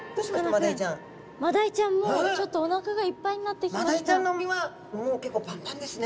もうちょっとマダイちゃんの胃はもう結構パンパンですね。